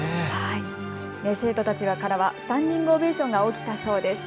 生徒たちからはスタンディングオベーションが起きたそうです。